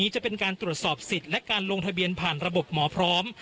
จะเป็นการตรวจสอบสิทธิ์และการลงทะเบียนผ่านระบบหมอพร้อม